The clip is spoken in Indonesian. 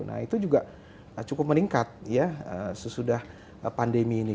nah itu juga cukup meningkat ya sesudah pandemi ini